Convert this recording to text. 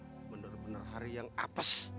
bener bener hari yang apes